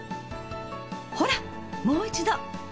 ほらもう一度。